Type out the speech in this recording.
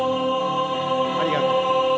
ありがとう。